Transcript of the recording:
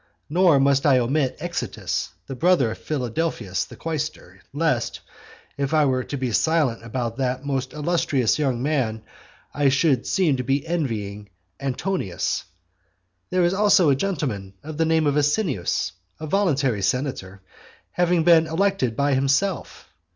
Nor must I omit Exitius, the brother of Philadelphus the quaestor; lest, if I were to be silent about that most illustrious young man, I should seem to be envying Antonius. There is also a gentleman of the name of Asinius, a voluntary senator, having been elected by himself.